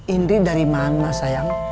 indri dari mana sayang